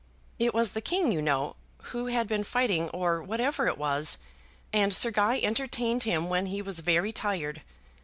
It was the king, you know, who had been fighting or whatever it was, and Sir Guy entertained him when he was very tired.